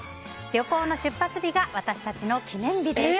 旅行の出発日が私たちの記念日です。